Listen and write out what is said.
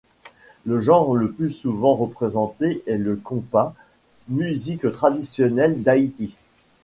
Le genre le plus souvent représenté est le kompa, musique traditionnelle d'Haïti.